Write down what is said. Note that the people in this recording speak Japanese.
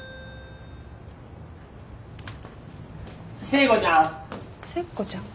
・聖子ちゃん！？